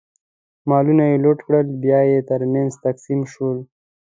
مالونه یې لوټ کړل، بیا یې ترمنځ تقسیم شول.